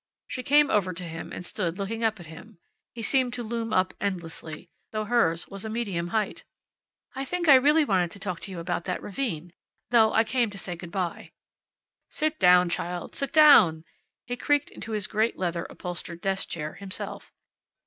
She came over to him and stood looking up at him. He seemed to loom up endlessly, though hers was a medium height. "I think I really wanted to talk to you about that ravine, though I came to say good by." "Sit down, child, sit down!" He creaked into his great leather upholstered desk chair, himself.